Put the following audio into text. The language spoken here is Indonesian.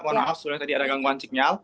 mohon maaf sebenarnya tadi ada gangguan signal